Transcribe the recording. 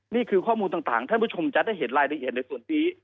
นี่คือข้อมูลต่างท่านผู้ชมจะได้เห็นรายละเอียดในส่วนนี้